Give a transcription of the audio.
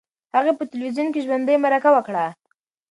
هغې په تلویزیون کې ژوندۍ مرکه وکړه.